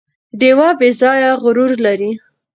ډیوه بې ځايه غرور لري